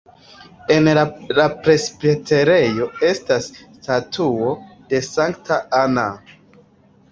En la presbiterejo estas statuo de Sankta Anna.